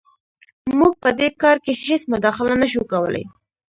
موږ په دې کار کې هېڅ مداخله نه شو کولی.